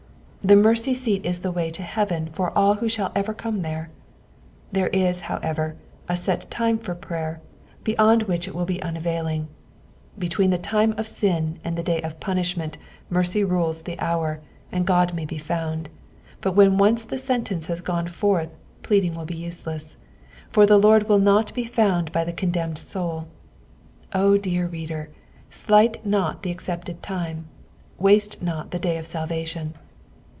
Tlie mercy seat is the way to heaven forall whoshttll ever come there. There is, however, a set time for prayer, beyond which it will be unavailing ; between the time of sin and tho day of punishment mercy rules th« hour, and Ood may be found, but when once the sentence has gone forth pleading will be useless, for tho Lord will not be found by the condemned soul. O dear reader, slight not the accepted time, waste not the day of salvation.